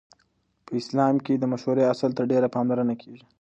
په اسلام کې د مشورې اصل ته ډېره پاملرنه کیږي.